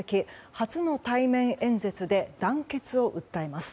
初の対面演説で団結を訴えます。